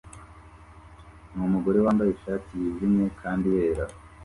numugore wambaye ishati yijimye kandi yera